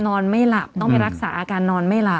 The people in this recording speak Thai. นอนไม่หลับต้องไปรักษาอาการนอนไม่หลับ